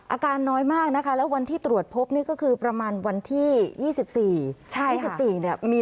อาการน้อยมากนะคะแล้ววันที่ตรวจพบนี่ก็คือประมาณวันที่๒๔๒๔เนี่ย